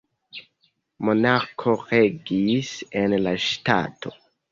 Monarko regis en la ŝtato.